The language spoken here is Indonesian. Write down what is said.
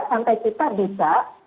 sampai kita bisa